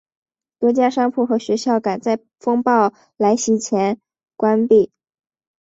多家商铺和学校赶在风暴来袭前关闭。